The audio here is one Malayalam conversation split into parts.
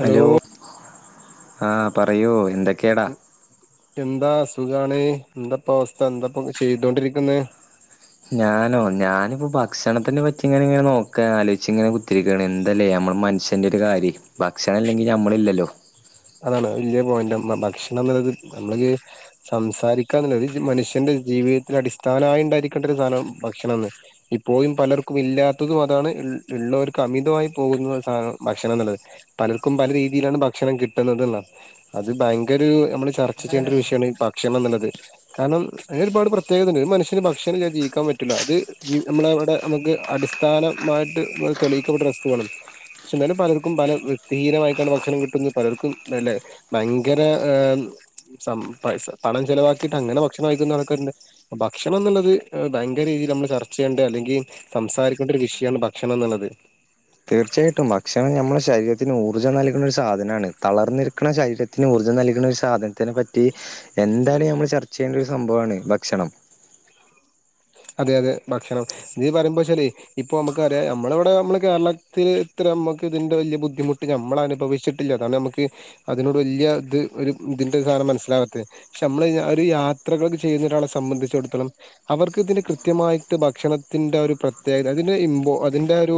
ഹലോ ആഹ് പറയൂ എന്തൊക്കെയാ എന്താ സുഖാണ് എന്താപ്പ അവസ്ഥ എന്താപ്പൊ ചെയ്തോണ്ടിരിക്കുന്നത് ഞാനോ ഞാനിപ്പോൊ ഭക്ഷണത്തിനെ പറ്റി ഇങ്ങനെ ഇങ്ങനെ നോക്കാ ആലോചിച്ച് ഇങ്ങനെ ഇത്തിരി ഗണ എന്തല്ലേ നമ്മൾ മനുഷ്യന്റെ ഒരു കാര്യം ഭക്ഷണം ഇല്ലെങ്കിൽ നമ്മളില്ലല്ലോ അതാണ് വല്ല്യാ പോയെന്റ ഭക്ഷണം ന്ന്ള്ളത് ന്നമ്മൾക്ക് സംസാരിക്കാന്നുള്ളത് മനുഷ്യന്റെ ജീവിതത്തിന്റെ അടിസ്ഥാനം ആയി ഇണ്ടായിരിക്കേണ്ട ഒര് സാനം ഭക്ഷണംന്ന് ഇപ്പോഴുംപലർക്കും ഇല്ലാത്തതും അതാണ് ഇള് ഇള്ളോവർക്ക് അമിതമായിപോകുന്ന ഭക്ഷണംന്നുള്ളത്. പലർക്കും പലെരീതിയിലാണ് ഭക്ഷണം കിട്ടുന്നത്ന്നാ അത് ഭയങ്കരു നമ്മള് ചർച്ചചെയ്യേണ്ട ഒരുവിഷയമാണ് ഭക്ഷണംഎന്നുള്ളത്. കാരണംഅയ്ന് ഒരുപാട് പ്രത്യേകതണ്ട് ഒരുമനുഷ്യന് ഭക്ഷണംഇല്ലാതെ ജീവിക്കാൻപറ്റൂല അത് ജി ന്നമ്മളെവടെ ന്നമുക്ക് അടിസ്ഥാനമായിട്ട് നമ്മ തെളിയിക്കപ്പെട്ട വസ്തുവാണ്. ക്ഷെ ഇന്നാലും പലെർക്കും പലെ വൃത്തിഹീനമായിട്ടാണ് ഭക്ഷണം കിട്ടുന്നത് പലർക്കുംഅല്ലെ ഭയങ്കെരെ ഏഹ് സം പൈസ പണം ചെലവാക്കിട്ട് അങ്ങനെ ഭക്ഷണം കയ്ക്കുന്നോലൊക്കെണ്ട്. ഭക്ഷണംഎന്നുള്ളത് ഭയങ്കര രീതിയിൽ ന്നമ്മൾ ചർച്ചചെയ്യേണ്ട അല്ലെങ്കിൽ സംസാരിക്കേണ്ട ഒരുവിഷയമാണ് ഭക്ഷണംഎന്നുള്ളത്. തീർച്ചയായിട്ടും ഭക്ഷണം നമ്മുടെ ശരീരത്തിന് ഊർജം നൽകുന്നഒരു സാധനാണ് തളർന്നിരിക്കുന്ന ശരീര ത്തിന് ഊർജ്ജംനൽകുന്ന ഒരു സാധനത്തിനെപറ്റി എന്തായാലും ന്നമ്മൾ ചർച്ചചെയ്യേണ്ട ഒരു സംഭവമാണ് ഭക്ഷണം. അതെ, അതെ ഭക്ഷണം നീ പറയുമ്പോചാലേ ഇപ്പൊ അമ്മക്കറിയാം ഞമ്മളെ ഇവിടെ നമ്മള് കേരളത്തിൽ ഇത്രനമുക്ക് ഇതിന്റെ വല്ല്യാബുദ്ധിമുട്ട് ഞമ്മൾ അനുഭവിച് ട്ടില്ല അതാണ് അമ്മക്ക് അതിനോട് വല്ല്യ ഇത് ഒരു ഇതിന്റെ സാധനം മനസ്സിലാവാത് ക്ഷേ നമ്മള് ഒരുയാത്രകൾ ചെയ്യുന്ന ഒരാളെ സംബന്ധിച്ചിടത്തോളം അവർക്ക് ഇതിന്റെ കൃത്യമായിട്ട് ഭക്ഷണത്തിന്റെരു പ്രത്യേകത അതിന്റെ ഇമ്പോ അതിന്റെരു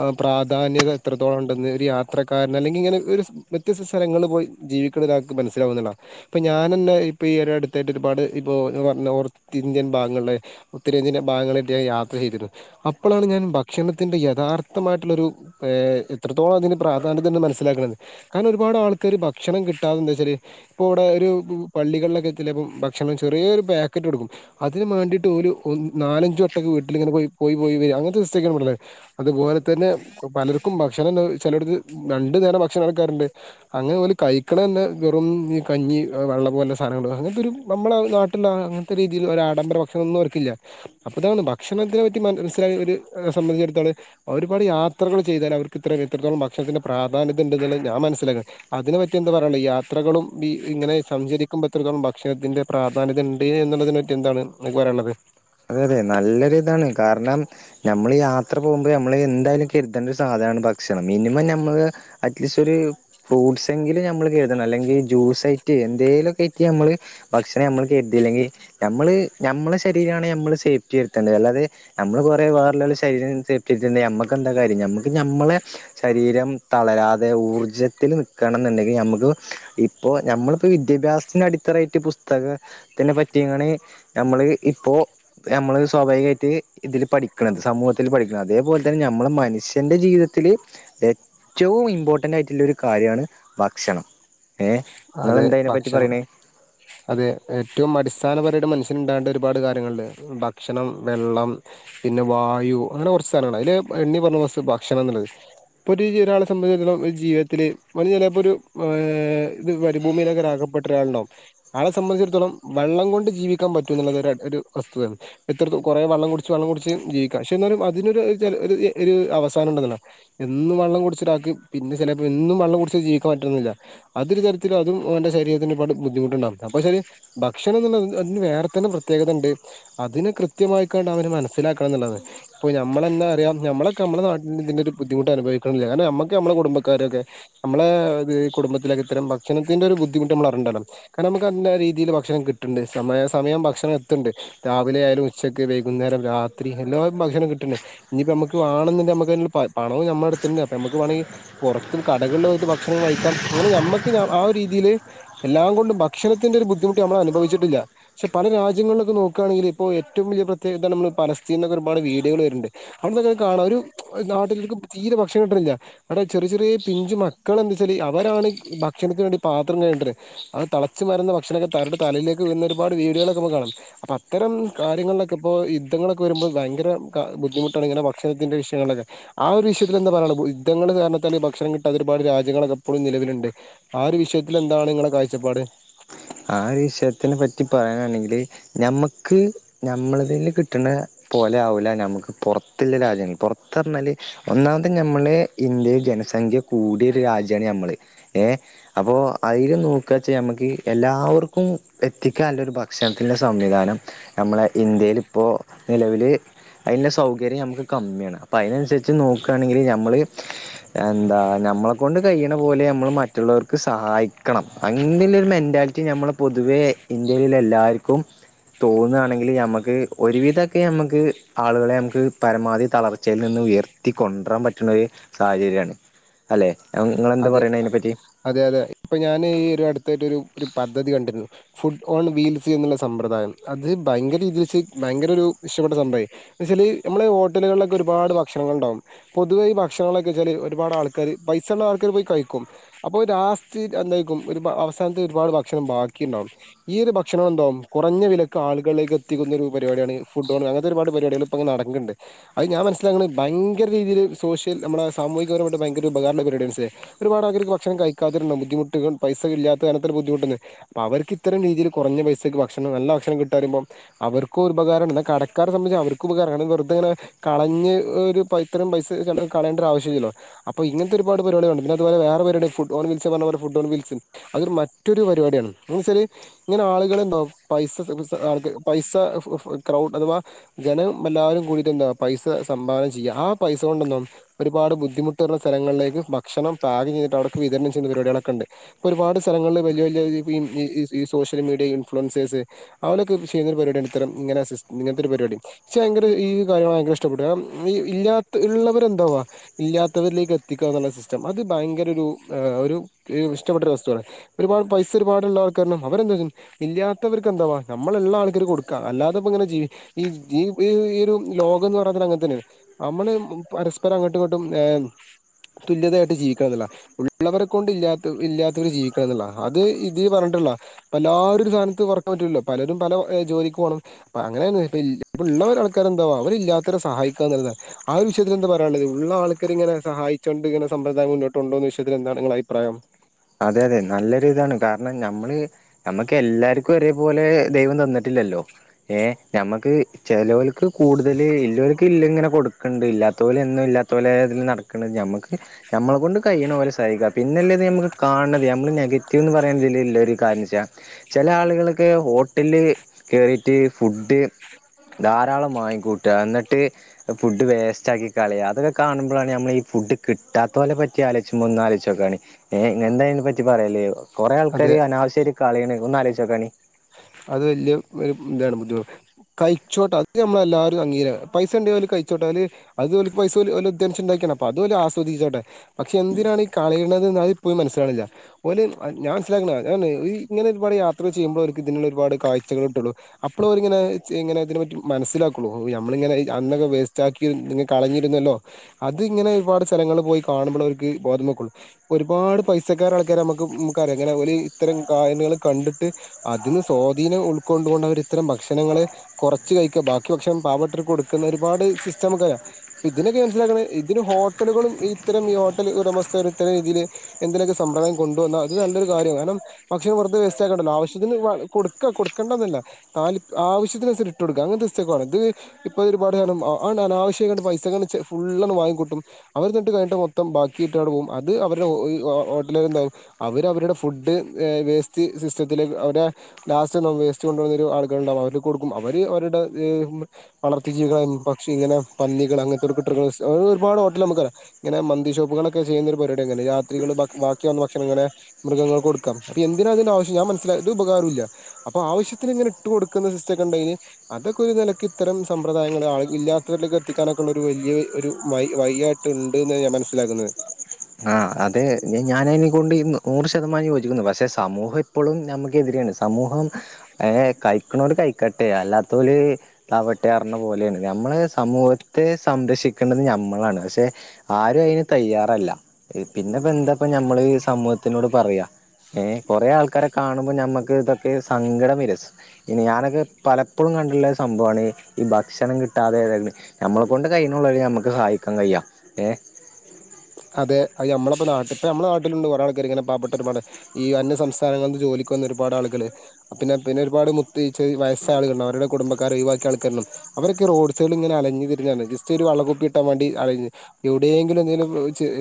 ആഹ് പ്രാധാന്യത എത്രത്തോളംണ്ട്ന്ന് ഒരു യാത്രക്കാരൻ അല്ലെങ്കിൽ ഇങ്ങനെ ഒര് സ് വ്യത്യസ്ത സ്ഥലങ്ങൾപോയി ജീവിക്ക്‌ണ ഒരാൾക്ക് മനസ്സിലാവുന്നതാ ഇപ്പൊഞാനിന്ന് ഇപ്പോ ഈ ഒരടുത്തായിട്ട് ഒരുപാട് ഇപ്പൊ പറഞ നോർത്ത് ഇന്ത്യൻ ഭാഗങ്ങൾ ഉത്തരേന്ത്യൻ ഭാഗങ്ങളായിട്ട് ഞാൻ യാത്രചെയ്തിരുന്നു അപ്പളാണ് ഞാൻ ഭക്ഷണത്തിൻ്റെ യഥാർത്ഥമായിട്ടുള്ളൊരു ഏഹ് ഇത്രത്തോളം അതിന് പ്രാധാന്യം തന്നെ മനസ്സിലാക്ക്‌ണ്. കാരണം ഒരുപാട് ആൾക്കാര് ഭക്ഷണം കിട്ടാതെന്താവെച്ചാല് ഇപ്പവടെ ഒരു പള്ളികളിലൊക്കെ ചിലപം ഭക്ഷണം ചെറിയൊരുപാക്കറ്റ് കൊട്ക്കും. അതിന് മാണ്ടിയിട്ട് ഒരു നാലഞ്ചു ഒട്ടയ്ക്ക് വീട്ടിൽങ്ങനെ പോയിപോയി പോയിവെരും അങ്ങനത്തെവസ്ത്തെക്കെണ് അവടെ ഇല്ലേ അതുപോലെതെന്നെ പലർക്കും ഭക്ഷണം ചെലട്ത് രണ്ടുനേരം ഭക്ഷണം നടുക്കാറുണ്ട്. അങ്ങനെ ഓല് കൈക്ക്‌ണതെന്നെ വെറും ഈ കഞ്ഞി വെള്ളലുള്ള സാധനങ്ങൾ അങ്ങൻത്തെ ഒരുന്നമ്മളെ നാട്ടിലെങ്ങ ഇത്ര രീതിയിൽ ആഡംബര ഭക്ഷണൊന്നും അവർക്കില്ല. അപ്പൊതാണ് ഭക്ഷണത്തിപറ്റി മൻസില ഒരു സംബന്ധിച്ചിടത്തോളം ഒരുാട് യാത്രക ചെയതാൽ അവർക്ക് ഇത്ര ഇത്രത്തോളം ഭക്ഷണത്തിന്റെ പ്രധാന്യതഉണ്ടെന്നുള്ള ഞാൻ മനസ്സിലാക്ണ്. അതിനെ പറ്റിഎന്താ പറയാനുള്ള യാത്രകളും ബി ഇങ്ങനെ സഞ്ചരിക്കുമ്പോത്രത്തോളം ഭക്ഷണത്തിന്റെ പ്രാധാന്യതണ്ട് എന്നുള്ളതിനെറ്റി എന്താണ് നിക്ക് പറയാനുള്ളത്? അതെ, അതെ നല്ലൊരു ഇതാണ് കാരണം ഞമ്മളീ യാത്ര പോകുമ്പോൾ ഞമ്മള് എന്തായാലുംകരുതേണ്ട ഒരു സാധനമാണ് ഭക്ഷണം മിനിമം ഞമ്മള് അറ്റ്ലിസ് ഒര് ഫ്രൂട്ട്സെങ്കിലും ഞമ്മള് കരുതണം അല്ലെങ്കിൽ ജ്യൂസ്ആയിട്ട് എന്തേലുമൊക്കെ ആയിട്ട് ഞമ്മള് ഭക്ഷണഞമ്മൾ കരുതിയില്ലെങ്കിൽ ഞമ്മള് ഞമ്മളെ ശെരീരാണ് ഞ മ്മള് സേഫ്റ്റി വരുത്തേണ്ടത് അല്ലാതെ ഞമ്മള് കൊറെ വേറെല്ലോലെ ശരീരം സേഫ്റ്റിആയി ഞമ്മക്കെന്ത്കാര്യം ഞമ്മള് ഞമ്മളെ ശരീരം തളരാതെ ഊർജത്തിൽ നിൽക്കണംന്നുണ്ടെങ്കിൽ ഞമ്മക്ക് ഇപ്പൊ ഞമ്മളിപ്പോവിദ്യാഭ്യാസത്തിന് അടിത്തറായിട്ട് പുസ്തക ത്തിനെപറ്റിയാണ് ഞമ്മള് ഇപ്പോ ഞമ്മള് സ്വാഭാവികമായിട്ട് ഇതിൽ പഠിക്കുന്നത് സമൂഹത്തിൽ പഠിക്കണം അതേപോലെ തന്നെ ഞമ്മൾമനുഷ്യ എന്റെ ജീവിതത്തില്ഏറ്റവും ഇമ്പോർട്ടെന്റ് ആയിട്ടുള്ളഒരു കാര്യമാണ്ഭക്ഷണം. ഏഹ് ഇങ്ങളെന്താഅയ്നെ പറ്റി പറയ്ണേ? അതെഏറ്റവും അടിസ്ഥാനപരയ്ട്ട് മനുഷ്യന് ഉണ്ടാ വേണ്ടെ ഒരുപാട് കാര്യങ്ങള്ണ്ട് ഭക്ഷണം, വെള്ളം പിന്നെവായു അങ്ങനെ കൊർ ച്ച് സ്ഥനാണ് അയ്ല് എണ്ണിപറഞ്ഞസ് ഭക്ഷണംഎന്നുള്ളത് ഇപ്പൊ ഒരു ഒരാളെ സംബന്ധിച്ചി ജീവിതത്തില് ഓന് ചെലേപ്പൊര് ഏഹ് ഇത് മരു ഭൂമിയിലൊക്കെ അ ഗപ്പെട്ടരാള്ണ്ടാവും. ആയാളെ സംബന്ധിച്ചിടത്തോളം വള്ളം കൊണ്ട് ജീവിക്കാൻപറ്റും എന്നുള്ളത്ഒര് വസ്തുതെണ്. എത്ര ദു കുറെ വെള്ളം കുടിച്ച് വെള്ളം കുടിച്ച് ജീവിക്കാം പക്ഷെ എന്നാലും അതിനൊരു ഒരു അവസാനം ഉണ്ടെന്നുള്ളതാണ്. എന്നും വെള്ളം കുടിച്ച ഒരാൾക്ക് പിന്നെ ചെലപ്പോ എന്നും വെള്ളം കുടിച്ച് ജീവിക്കാൻ പറ്റുന്നില്ല അതൊര് തരത്തിലും അതും അവന്റെ ശരീത്തിന് ഒരുപാട് ബുദ്ധിമുട്ടണ്ടാവും അപ്പോ ശരി ഭക്ഷണം എന്നുള്ള അ അതിന് വേറെ തന്നെ പ്രത്യേകത ഉണ്ട് അതിനെ കൃത്യമായിക്കൊണ്ട് അവന് മനസ്സിലാക്കണം എന്നുള്ളതാണ് ഇപ്പോ നമ്മളെന്താപറയാ നമ്മളൊക്കെ നമ്മടെ നാട്ടിൽ ഇതി ന്റെ ഒരു ബുദ്ധിമുട്ട് അനുഭവിക്കണി ല്ല കാരണം നമ്മക്ക് നമ്മടെ കുടബക്കാരൊക്കെ നമ്മളെ ഇത് ഈ കുടുംബത്തിലെക്കെ ഇത്തരം ഭക്ഷണത്തിന്റെ ഒരു ബുദ്ധിമുട്ട് നമ്മള് അറിഞ്ഞിട്ടുണ്ടാവില്ല കാരണം നമുക്ക് അതിന്റെതായ രീതില് ഭക്ഷണം കിട്ടന്നുണ്ട് സമയ സമയം ഭക്ഷണം എത്തുണ്ട് രാവിലെ ആയാലും ഉച്ചക്ക് വൈകുന്നേരം രാത്രി എല്ലാ ഭക്ഷണം കിട്ടണുണ്ട് ഇനിയിപ്പോ നമുക്ക് വേണന്നുണ്ടെല് നമ്മുക്ക് ഇന്ന് പണം നമ്മടെ അടുത്തുണ്ട് അപ്പോ നമുക്ക് വേണങ്കിൽ പുറത്തും കടകളിലു ആയിട്ട് ഭക്ഷണം കഴിക്കാം അങ്ങനെ ഞമ്മക്ക് ഞ ആ ഒരു രീതിയില് എല്ലാം കൊണ്ടും ഭക്ഷണത്തിന്റെ ഒരു ബുദ്ധിമുട്ട് നമ്മള് അനുഭവിച്ചിട്ടില്ല പക്ഷേ പല രാജ്യങ്ങളിലൊക്കെ നോക്കുആണെങ്കില് ഇപ്പോ ഏറ്റവും വലിയ പ്രത്യേകത നമ്മള് പാലസ്തീന്റെക്കെ ഒരുപാട് വീഡി യോകൾ വരുന്നുണ്ട് അവിടെന്നൊക്കെ കാണാം ഒരു നാട്ടിലേക്ക് തീരെ ഭക്ഷണം കിട്ടുന്നില്ല എടാ ചെറിയ ചെറിയ പിഞ്ചു മക്കള് എന്താ വെച്ചാല് അവരാണ് ഭക്ഷണത്തിന് വേണ്ടി പാത്രം കഴിക ണ്ടത് അത് തിളച്ച് വരുന്ന ഭക്ഷണൊക്കെ അവരുടെ തലേലെക്ക് വീഴുന്ന ഒരുപാട് വീഡിയോകളെക്കെ നമ്മുക്ക് കാണാം അപ്പോ അത്തരം കാര്യങ്ങളിലൊക്കെ ഇപ്പോ യുദ്ധങ്ങളൊക്കെ വരുമ്പോൾ ഭയങ്കര ബുദ്ധിമുട്ടാണ് ഇങ്ങനെ ഭക്ഷണത്തിന്റെ വിഷയങ്ങളിലൊക്കെ ആ ഒരു വിഷയത്തില് എന്താ പറയണ യുദ്ധങ്ങള് കാരണത്താല് ഭക്ഷണം കിട്ടാത്ത ഒരുപാട് രാജ്യങ്ങളൾക്കെ ഇപ്പളും നിലവിലുണ്ട് ആ ഒരു വിഷയത്തില് എന്താണ് നി ങ്ങടെ കാഴ്ചപ്പാട് ആ ഒരു വിഷയത്തിനെ പറ്റി പറയാനാണെങ്കില് ഞമ്മക്ക് നമ്മളതില് കിട്ടണ പോലെ ആവുലെ നമുക്കും പുറത്തുള്ള രാജ്യങ്ങൾ പുറത്തന്ന് പറഞ്ഞാല് ഒന്നാമത് നമ്മളെ ഇന്ത്യയിൽ ജനസംഖ്യ കൂടിയൊരു രാജ്യമാണ് ഞമ്മള് ഏഹ് അപ്പോ അതില് നോക്കുവെച്ചാ ഞമ്മക്ക് എല്ലാവർക്കും എത്തിക്കാല്ലെ ഒരു ഭക്ഷണത്തിന്റെ സംവിധാനം നമ്മളെ ഇന്ത്യയിൽ ഇപ്പോ നിലവില് അയിലെ സൗകര്യം നമുക്ക് കമ്മിയാണ് അപ്പോൾ അതിനനുസരിച്ച് നോക്കുകയാണെങ്കില് നമ്മള് എന്താ നമ്മളെ കൊണ്ട് കഴിയണ പോലെ നമ്മള് മറ്റുള്ളവർക്ക് സഹായിക്കണം അങ്ങനൊള്ളൊരു മെന്റാ നമ്മള് പൊതുവെ ഇന്ത്യയിലെ എല്ലാവർക്കും തോന്നുയാണെങ്കില് നമുക്ക് ഒരുവിധൊക്കെ നമുക്ക് ആളുകളെ നമുക്ക് പരമാവധി തളർച്ചയിൽ നിന്ന് ഉയർ കൊണ്ട് വരാൻ പറ്റണ ഒരു സാഹചര്യമാണ് അല്ലെ നിങ്ങളെന്ത് അതെ പറയണ അതിനെപ്പറ്റി അതെ അതെ ഇപ്പോ ഞാൻ ഈ ഒരു അടുത്തായിട്ട് ഒരു ഒരു പദ്ധതി കണ്ടിരുന്നു ഫുഡ് ഓൺ വീൽസ് എന്നുള്ള സമ്പ്രദായം അത് ഭയങ്കര ഇതുവെച്ച് ഭയങ്കര ഒരു ഇഷ്ടപ്പെട്ട സമ്പ്രദായം എന്ന് വെച്ചാല് നമ്മളെ ഹോട്ടലുകളിലൊക്കെ ഒരുപാട് ഭക്ഷണങ്ങൾ ഉണ്ടാവും പൊതുവെ ഈ ഭക്ഷണങ്ങളൊക്കെ വെച്ചാല് ഒരുപാട് ആൾക്കാര് പൈസുള്ളആൾ ക്കാര് പോയി കഴിക്കും അപ്പോ ലാസ്റ്റ് എന്തായിരിക്കും ഒരു അവസാനത്തെ ഒരുപാട് ഭക്ഷണം ബാക്കി ഉണ്ടാവും ഈ ഒരു ഭക്ഷണം എന്ത് ആവും കുറഞ്ഞ വിലക്ക് ആളുകളിലേക്ക് എത്തിക്കുന്ന ഒരു പരിപാടിയാണ് ഫുഡ്‌ ഓൺ അങ്ങനത്തെ ഒരുപാട് പരിപാടികള് ഇപ്പോ നടക്കണ്ട് അത് ഞാൻ മനസിലാക്കണ ഭയങ്കര രീതിയില് സോഷ്യൽ നമ്മുടെ സാമൂഹ്യപരമായിട്ട് ഭയങ്കര ഉപകാരുള്ള ഒരു പരിപാടിയാണ് മിസ്സേ ഒരുപാട് ആൾക്കാർക്ക് ഭക്ഷണം കഴിക്കാതെ വരണം ബുദ്ധിമുട്ടുകള് പൈസ ഇല്ലാത്തകാരണത്താല് ബുദ്ധിമുട്ടുന്ന് അപ്പോ അവർക്ക് ഇത്തരം രീതിയില് കുറഞ്ഞ പൈസക്ക് ഭക്ഷണം നല്ല ഭക്ഷണം കിട്ടാ പറയുമ്പോ അവർക്കും ഒരു ഉപകാരമാണ് എന്നാല് കടക്കാരെ സംബന്ധിച്ച് അവർക്കും ഉപകാരമാണ് ഇത് വെറുതെയിങ്ങനെ കളഞ്ഞ് ഒരു ഇത്രയും പൈസ കൊണ്ട് കളയെണ്ടൊരു ആവശ്യമില്ലല്ലോ അപ്പോ ഇങ്ങനത്തെ ഒരുപാട് പരിപാടികളുണ്ട് പിന്നെ അതുപോലെ വേറെ പരിപാടിയാ ഫുഡ്ഓൺ വീൽസ് പറഞ്ഞപോലെ ഫുഡ്‌ ഓൺ വിൽസൺ അത് മറ്റൊരു പരു പാടിയാണ് എന്നുവെച്ചാല് ഇങ്ങനെ ആളുകളുണ്ടാവും പൈസ [unintelligible] പൈസ ക്രൗഡ് അഥവാ ജനം എല്ലാവരും കൂടിയിട്ട് എന്താ പൈസ സംഭാവന ചെയ്യുക ആ പൈസ കൊണ്ടെന്താവും ഒരുപാട് ബുദ്ധിമുട്ടുള്ള സ്ഥലങ്ങളിലേക്ക് ഭക്ഷണം പാകം ചെയ്തിട്ട് അവർക്ക് വിതരണം ചെയ്യുന്ന പരിപാടികളൊക്കെ ഉണ്ട് ഇപ്പോ ഒരുപാട് സ്ഥലങ്ങളില് വലിയ വലിയ ഈ സോഷ്യൽ മീഡിയ ഇൻഫ്ലുവൻസേഴ്സ് അവലെക്കെ ചെയ്യുന്ന ഒരു പരിപാടിയാണ് ഇത്തരംഇങ്ങനെ ഒരു പരിപാടി എനിച്ച് ഭയങ്കര ഈ കാര്യം ഭയങ്കര ഇഷ്ടപെട്ടുകാരണം ഈ ഇല്ലാത്ത ഉള്ളവരെ എന്താവാ ഇല്ലാത്തവരിലേക്ക് എത്തിക്കുക എന്നുള്ള സിസ്റ്റം അത് ഭയങ്കര ഒരു ഒരു ഇഷ്ടപ്പെട്ട ഒരു വസ്തുവാണ് ഒരുപാട് പൈസ ഒരുപാടുള്ള ആൾക്കാരണം അവരെന്താ ഇല്ലാത്തവർക്ക് എന്താവാണ്ടേ നമ്മളെഇള്ള ആൾക്കാര് കൊട്ക്കാ അല്ലാതപ്പോ ങ്ങനെ ജീവിക്ക ഈ ഒരു ലോകന്ന് പർഞ്ഞ തന്നെ അങ്ങനെതന്നെണ്. മ്മള് പരസ്പരം അങ്ങട്ടും ഇങ്ങട്ടും തുല്യതയായിട്ട് ജീവിക്കണന്നള്ളതാണ്. ഉള്ളവരെ കൊണ്ട് ഇല്ലാത്ത ഇല്ലാത്തവര് ജീവിക്കണന്നുള്ളത അത് ഇതിൽ പറഞ്ഞിട്ടുള്ളതാണ്. എല്ലാവരും ഒരു സ്ഥാനത്ത് ഉറക്കാൻ പറ്റില്ലല്ലോ പലരും പല ജോലിക്ക് പോണം. [unintelligible] ഇപ്പള്ള ആൾക്കാരെന്താവാ അവരില്ലാത്തവരെ സഹായിക്കാന്നള്ളതാണ്. ആ ഒരു വിഷയത്തിൽ എന്താ പറയാനുള്ളത് ഉള്ള ആൾക്കാരിങ്ങനെ സഹായി [unintelligible] സമ്പ്രദായം മുന്നോട്ടുണ്ടോന്ന് ചോയ്ച്ചാ ഇതിൽ എന്താണ് നിങ്ങള അഭിപ്രായം? അതെ അതെ നല്ലൊരു ഇതാണ് കാരണം നമ്മള്, നമ്മക്ക് എല്ലാക്കും ഒരേപോലെ ദൈവം തന്നിട്ടില്ലല്ലോ ഏ നമ്മക്ക് ചെലോൽക്ക്, കൂടുതല് ഇല്ലോര്ക്കില്ലിങ്ങനെ കൊടുക്കണ്ട് ഇല്ലാത്തോലെന്നുംഇല്ലാ ത്തോലെതിന് നടക്ക്ണ് ഞമ്മക്ക് ഞമ്മളെ കൊണ്ട് കഴിയണ പോലെ സഹായിക്ക പിന്നെല്ലത് നമുക്ക് കാണ്ത് നമ്മള് നെഗറ്റീവ്ന്ന് പറയാനിതിൽ ഒരു കാര്യാ ചെല ആള്കൾക്ക്, ഹട്ടില് കയറിട്ട് ഫുഡ് ധാരാളം വാങ്ങിക്കൂട്ട എന്നിട്ട് ഫുഡ് വേസ്റ്റാക്കി കളയ അതൊക്ക കാണുമ്പോഴാണ് നമ്മളീ ഫുഡ് കിട്ടാത്തോലെ പറ്റി ആലോയ്ചുമ്പോ ഒന്ന് ആലോയ്ചോക്കാണി എന്താ അയിനെ പറ്റി പറയല്? കൊറെ അതെ ആൾക്കാര് അനാവശ്യമായിട്ട് കളയണ്, ഒന്നാ ആലോയ്ചോകാണി അത് വലിയ ഒരു എന്താണ് ബുദ്ധിമുട്ട് കാഴ്ച്ചോട്ടെ അത് നമ്മളല്ലാര അംഗീകാര പൈസ ഉണ്ടേല് ഓര് കഴിച്ചോട്ടെ അത് പൈസഓല് അധ്വാനിച്ച് ണ്ടാക്കിയതാണ് അപ്പ അത് ഓല് ആസ്വദിച്ചോട്ടെ. പക്ഷെ എന്തിനാണ് ഈ കളയണത് എന്നത് ഇപ്പഴും മനസ്സിലാവിണില്ല. ഓര് ഞാൻ മനസ്സിലാക്കുന്നത് ഇങ്ങനെ ഒരുപാട് യാത്ര ചെയ്യുമ്പോളാണ് അവർക്ക് ഇതിനുള്ള ഒരുപാട് കാഴ്ചകൾ കിട്ടുന്നത്. അപ്പള ഓരിങ്ങനെ ഇങ്ങന ഇതിനെ പറ്റി മനസ്സിലാക്കുള്ളു. ഞമ്മളിങ്ങനെ അന്നൊക്കെ വേസ്റ്റ് ആക്കി, കളഞ്ഞിരുന്നല്ലോ അത് ഇങ്ങനെ ഒരുപാട് സ്ഥലങ്ങളിൽ പോയി കാണുമ്പോളെ അവർക്ക് ബോധമെക്കുള്ളു ഒരുപാട് പൈസക്കാര ആൾക്കാരെ നമ്മുക്ക് നിക്ക് അറിയാം ങ്ങനെ ഒര് ഇത്തരം കായനങ്ങൾ കണ്ടിട്ട്, അതിന് സ്വാധീനം ഉൾക്കൊണ്ടുകൊണ്ട് അവരിത്തരം ഭക്ഷണങ്ങളെ കൊറച്ച് കഴിക്ക, ബാക്കി ഭക്ഷണം പാവപ്പെട്ടവർക്ക് കൊടുക്കുന്ന ഒരുപാട് സിസ്റ്റം നമക്കറിയ ഇപ്പ ഇതിനൊക്കെ മനസ്സിലാക്കണ ഇതിനും [unintelligible] ഹോട്ടലുകളും ഇത്തരം ഈ ഹോട്ടൽ ഉടമസ്ഥ ഒരു ഇത്തര രീതിയില് എന്തിനൊക്കെ സമ്പ്രദായം കൊണ്ടുവന്ന അത് നല്ലൊരു കാര്യാ കാരണം ഭക്ഷണം വെറുതെ വെസ്റ്റാക്കണ്ടലോ ആവശ്യ കൊടുക്ക കൊടുക്കണ്ടന്നല്ല ആ ആവശ്യത്തിനസരിച്ചു ഇട്ട് കൊടുക്ക അങ്ങനത്തെ സിസ്റ്റോക്കെ വേണം. ഇത് ഇതിപ്പോ ഒരുപാട് കാലം അനാവശ്യമായി പൈസ ഫുള്ളങ്ങട്ട് വാങ്ങിക്കൂട്ടും. അവർതിട്ട് കഴിഞ്ഞട്ട് മൊത്തം ബാക്കിട്ട് പോകും അത് അവരുടെ ഹോട്ടലെര് എന്താക്കും അവര് അവരുടെ ഫുഡ് വേസ്റ്റ് സിസ്റ്റം അവരെ ലാസ്റ്റ് വേസ്റ്റ് കൊണ്ടുവരുന്ന ആൾക്കാരുണ്ടാവും അവർക്ക് കൊടുക്കും അവര് അവരുടെ വളർത്തി ജീവികളെ പക്ഷി ഇങ്ങനെ പന്നികൾ അങ്കണത്തോർക്ക് ഇട്ട് കൊടുക്കുന്ന ഒരുപാട് ഹോട്ടൽ നമക്കറിയ ഇങ്ങനെ മന്തിഷോപ്പുകളൊക്കെ ചെയ്യുന്ന ഒരു പരിപാടി അങ്ങനെ രാത്രികൾ ബാക്കി വന്ന ഭക്ഷണം ഇങ്ങനെ മൃഗങ്ങൾക്ക് കൊടുക്കാം അപ്പ എന്തിന ഇതിൻ്റെ ആവശ്യം ഞാൻ മനസിലായത് ഒരു ഉപകാരവുമില്ല. അപ്പൊ ആവശ്യത്തിന് ഇങ്ങനെ ഇട്ട് കൊടുക്കുന്ന സിസ്റ്റക്ക ഇണ്ടെങ്കില്, അതൊക്കെ ഒരു നലക്ക് ഇത്തരം സമ്പ്രദായങ്ങൾ ആ ഇല്ലാത്തവരിലേക്ക് എത്തിക്കാനൊക്കെ ഉള്ള ഒരു വലിയ ഒരു വൈ ണ്ട്ന്ന ഞാൻ മനസ്സിലാക്കുന്നത്. ആ അത് ഞാനതിനെക്കൊണ്ട് നൂറ് ശതമാനം യോജിക്കുന്നു. പക്ഷേ സമൂഹം ഇപ്പളും നമുക്കെതിരെയാണ് സമൂഹം ഏ കഴിക്കന്നൊര് കഴിക്കട്ടെ അല്ലാത്തോല്, അവട്ടെ അറഞ്ഞ പോലെയാണ് നമ്മള് സമൂഹത്തെ സംരക്ഷിക്കേണ്ടത് നമ്മളാണ് പക്ഷെ ആരും അയിന് തയ്യാറല്ല. പിന്നെപ്പ എന്താപ്പ നമ്മൾ ഈ സമൂഹത്തിനോട് പറയാ ഏ കൊറെ ആൾക്കാര്, കാണുമ്പോൾ നമ്മുക്ക് ഇതൊക്കെ സങ്കടം വരും പിന്ന ഞാനൊക്കെ പലപ്പോഴും കണ്ടിട്ടുള്ള സംഭവാണ് ഈ ഭക്ഷണം കിട്ടാതെ ഏത് നമ്മളകൊണ്ട് കഴിയുന്നവരെ നമ്മുക്ക് സഹായിക്കാൻ കയ്യാ അതെ അത് നമ്മളിപ്പ നാട്ടിപ്പ നമ്മുടെ നാട്ടിലുണ്ട് ഒരാൾക്കർ ഇങ്ങനെ പാവപ്പെട്ട ഒരുപാട് ഈ അന്യ സംസ്ഥാനങ്ങള നിന്ന് ജോലിക്ക് വന്ന ഒരുപാട് ആളുകള് പിന്നെ പിന്നെ ഒരുപാട് മുത്തഴച്ച വയസ് ആളുകള അവരുടെ കുടുംബക്കാരർ ഒഴിവാക്കിയ ആൾക്കാരണം അവരൊക്കെ റോഡ് സൈഡിൽ ഇങ്ങെ അലഞ്ഞഞ്തിരിഞ്ഞാണ് ജസ്റ്റ് ഒരു വള്ള കുപ്പി കിട്ടാൻ വേണ്ടി അല എവിടെങ്കിലും എന്തെലും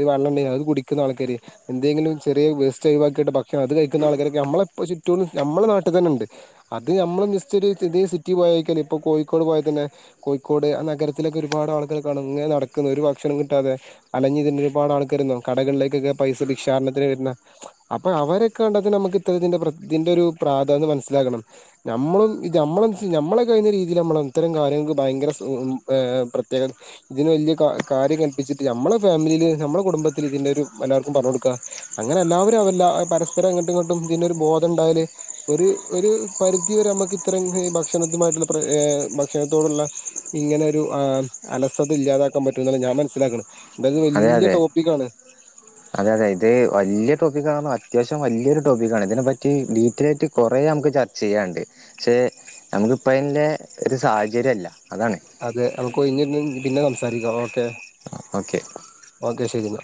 വെള്ളം ഉണ്ടോ അത് കുടിക്കുന്ന ആൾക്കാര് എന്തെങ്കിലും ചെറിയ വേസ്റ്റ് ഒഴിക്കിട്ടെ ഭക്ഷെ അത് കഴിക്കുന്ന ആൾക്കാരൊക്കെ നമ്മളെ ചുറ്റും നമ്മെ നാട്ടിൽ തന്നെണ്ട് അത് നമ്മള് നിശ്ചയ ഇതേ സിറ്റി പോയക്കാൽ ഇപ്പൊ കോഴിക്കോട് പോയാൽ തന്നെ കോഴിക്കോട് ആ നഗരത്തിലൊക്കെ ഒരുപാട് ആളുകൾണെ നടക്കുന്നു ഒരു ഭക്ഷണം ക അതെ അലഞ്ഞഞ്തിന്നൊ ഒരുപാട് ആൾക്കാരരുന്നു കടകളിലേക്കൊക്കെ പൈസ ഭിക്ഷാാരണത്തിന് വരുന്ന അപ്പൊ അവരെൊക്കെ കണ്ടത് നമുക്ക് ഇത്തരത്തിറെ പ്രതിന്റെ ഒരു പ്രാധന്ന് മനസ്സിലാക്കണം നമ്മളും ഇത് നമ്മള നമ്മളെ കഴിയുന്ന രീതിയിൽ നമ്മള ഇത്തരം കാര്യങ്ങൾക്ക് ഭയങ്കരഏ പ്രത്യേക ഇതിന് വലിയ കാര്യം കൽപ്പിച്ചിട്ട് നമ്മളെ ഫാമിലിയില് നമ്മളുടെ കുടുംബത്തില് ഇതിന്റെ ഒരു എല്ലാവർക്കും പറഞ്ഞു കൊടുക്കുക അങ്ങനെ എല്ലാവരും അവല്ല പരസ്പരം അങ്ങട്ടുംങ്ങോട്ടും ഇതി ഒരു ബോധം ഉണ്ടായല് ഒരു ഒരു പരിധി വരെ നമ്മുക്ക് ഇത്രരയും ഭക്ഷണത്തുമായിട്ടുള്ള പ്ര ഭക്ഷണത്തോടുള്ള ഇങ്ങനെ ഒരു അലസവത ഇല്ലാതാക്കാൻ പറ്റും എന്നുള്ളാണ് ഞാൻ മന മനസ്സിലാക്ക എായത് അതെ വലിയ അതെ ടോപ്പിക്കാണ് അതെ അതെ ഇത് വലിയ ടോപ്പി ആണോ അത്യാവശ്യം വലിയരു ടോപ്പിക്കാണ് ഇതിനെപ്പറ്റി ഡീറ്റെൽ ആയിട്ട് കുറേ നമുക്ക് ചെയ്യാണ്ട് പക്ഷേ നമുക്കിപ്പം അതിന്റെ ഒരു സാഹചര്യംമല്ല അതാണ് അതെ അവക്ക ഇഞ്ഞി പിന്നെ സംസാരിക്കാം ഓക്കെ ഓക്കെ ഓക്കെ ശരിെന്നാ